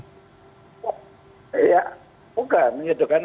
ya bukan gitu kan